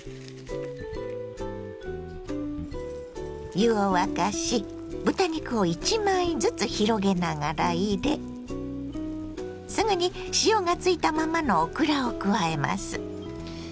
湯を沸かし豚肉を１枚ずつ広げながら入れすぐに塩がついたままのオクラを加えます。